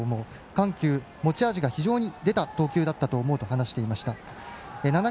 緩急、持ち味が出た投球だったと思うと話していました。